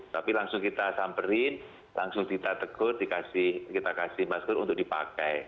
tapi langsung kita samperin langsung kita tegur kita kasih masker untuk dipakai